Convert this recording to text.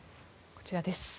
こちらです。